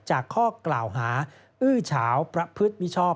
จากข้อกล่าวหาอื้อเฉ้าประพฤทธิ์วิช็อป